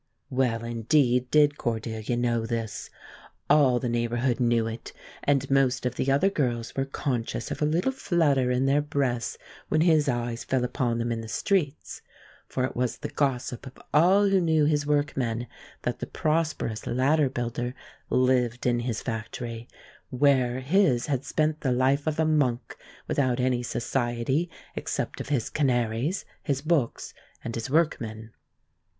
Well indeed did Cordelia know this. All the neighborhood knew it, and most of the other girls were conscious of a little flutter in their breasts when his eyes fell upon them in the streets, for it was the gossip of all who knew his workmen that the prosperous ladder builder lived in his factory, where his had spent the life of a monk, without any society except of his canaries, his books, and his workmen.